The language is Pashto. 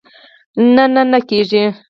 نه، نه کېږي